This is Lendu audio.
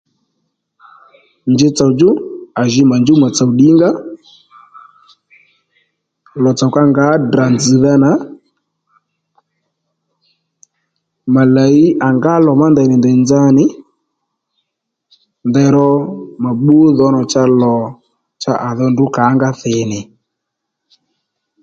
Nji tsò djú à ji mà djúw mà tsò ddǐngá lò-tsò ka ngǎ Drà nzz̀dha nà mà làyi à ngá lò má ndèy nì ndèy nza nì ndeyró mà bbú dhomà cha lò à dho ndrǔ kàónga thì nì